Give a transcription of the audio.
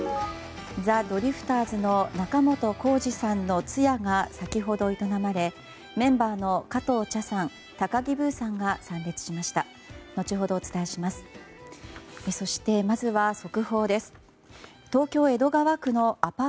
ザ・ドリフターズの仲本工事さんの通夜が先ほど、営まれメンバーの加藤茶さん高木ブーさんが参列しました。